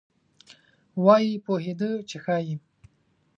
وایي پوهېده چې ښایي.